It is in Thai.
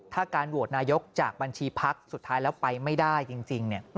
ถ้าการโหวตนายกจากบัญชีพักสุดท้ายแล้วไปไม่ได้จริง